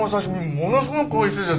ものすごくおいしいです。